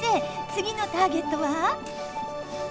次のターゲットは！？